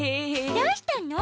どうしたの？